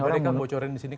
coba deh kan bocorin disini